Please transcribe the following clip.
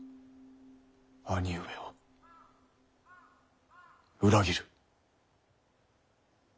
義兄上を裏切る。